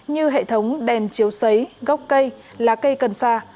như hệ thống đèn chiếu xấy gốc cây lá cây cần sa